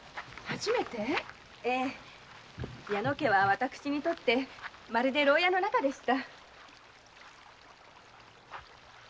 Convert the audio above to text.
ええ矢野家は私にとってはまるで牢屋の中でした。